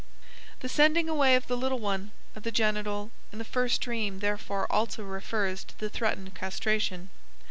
The sending away of the little one, of the genital, in the first dream therefore also refers to the threatened castration.